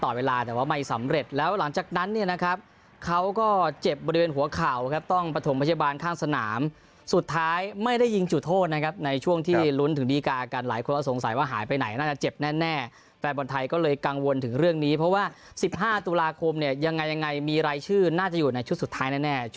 เวลาแต่ว่าไม่สำเร็จแล้วหลังจากนั้นเนี่ยนะครับเขาก็เจ็บบริเวณหัวเข่าครับต้องประถมพยาบาลข้างสนามสุดท้ายไม่ได้ยิงจุดโทษนะครับในช่วงที่ลุ้นถึงดีกากันหลายคนก็สงสัยว่าหายไปไหนน่าจะเจ็บแน่แฟนบอลไทยก็เลยกังวลถึงเรื่องนี้เพราะว่า๑๕ตุลาคมเนี่ยยังไงยังไงมีรายชื่อน่าจะอยู่ในชุดสุดท้ายแน่